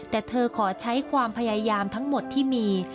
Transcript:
แต่เธอขอใช้ความพยายามทั้งหมดที่มี